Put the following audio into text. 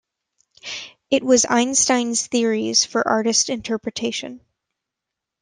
It was Einstein theories for artist interpretation.